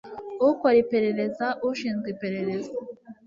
ukora iperereza ushinzwe iperereza